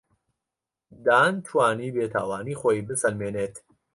دان توانی بێتاوانی خۆی بسەلمێنێت.